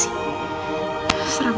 seram apa sih